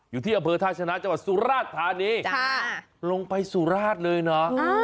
อยู่ที่อำเภอท่าชนะจังหวัดสุราชธานีลงไปสุราชเลยนะ